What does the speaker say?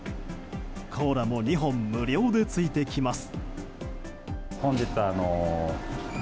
コーラも２本無料でついてきます。